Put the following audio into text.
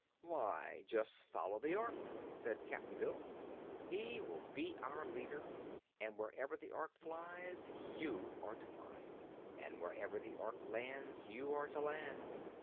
"Why, just follow the Ork," said Cap'n Bill. "He will be our leader, and wherever the Ork flies you are to fly, and wherever the Ork lands you are to land.